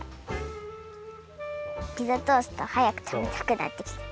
ピザトーストはやく食べたくなってきた！